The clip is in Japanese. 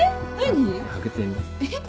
えっ？